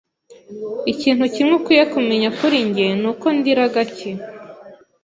Ikintu kimwe ukwiye kumenya kuri njye nuko ndira gake.